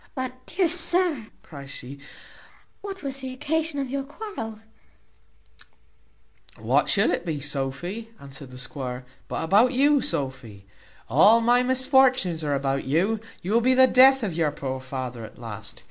"But, dear sir," cries she, "what was the occasion of your quarrel?" "What should it be, Sophy," answered the squire, "but about you, Sophy? All my misfortunes are about you; you will be the death of your poor father at last.